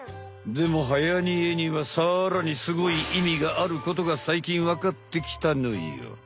でもはやにえにはさらにすごいいみがあることがさいきんわかってきたのよ。